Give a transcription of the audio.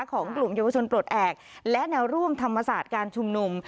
ของกลุ่มเยาวชนปลดแอบและแนวร่วมธรรมศาสตร์การชุมนุม